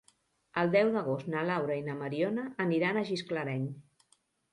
El deu d'agost na Laura i na Mariona aniran a Gisclareny.